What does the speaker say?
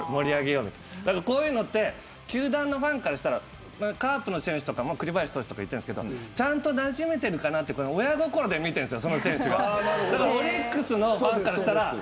こういうのって球団のファンからしたらカープの選手も栗林投手とか行ってますけどちゃんとなじめているかなという親心で見ているんです。